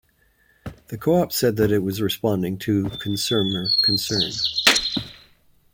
The Co-op said that it was responding to consumer concern.